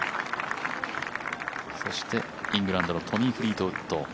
そして、イングランドのトニー・フリートウッド。